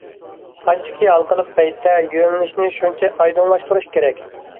« قانچىكى ھالقىلىق پەيتتە، يۆنىلىشنى شۇنچە ئايدىڭلاشتۇرۇش كېرەك».